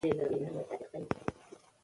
د غره ختلو پر مهال ډېر پام کوئ.